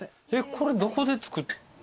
これどこで作って。